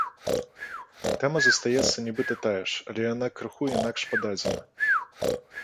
Тэма застаецца нібыта тая ж, але яна крыху інакш пададзена.